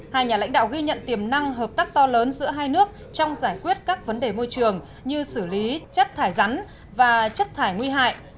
hai nhà lãnh đạo ghi nhận tiềm năng hợp tác to lớn giữa hai nước trong giải quyết các vấn đề môi trường như xử lý chất thải rắn và chất thải nguy hại